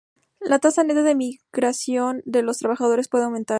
La tasa neta de migración de los trabajadores puede aumentar.